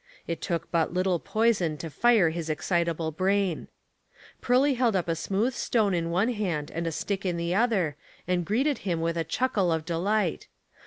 It took but little poison to fire his excita ble brain. Pearly held up a smooth stone in one hand and a stick in the other, and greeted him with a chuckle of delight.